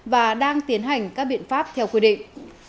và đang tiến hành các biện pháp theo quy định